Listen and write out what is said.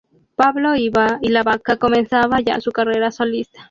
Pablo Ilabaca comenzaba ya su carrera solista.